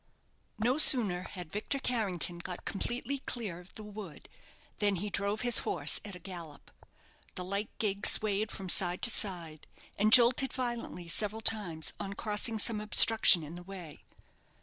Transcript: No sooner had Victor Carrington got completely clear of the wood, than he drove his horse at a gallop. The light gig swayed from side to side, and jolted violently several times on crossing some obstruction in the way.